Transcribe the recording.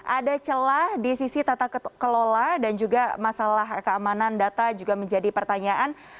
ada celah di sisi tata kelola dan juga masalah keamanan data juga menjadi pertanyaan